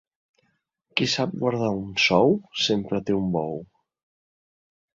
Qui sap guardar un sou sempre té un bou.